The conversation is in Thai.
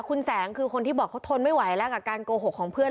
คุณแสงคือคนที่บอกเขาทนไม่ไหวแล้วกับการโกหกของเพื่อน